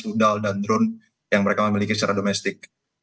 rudal dan drone yang mereka miliki secara domestik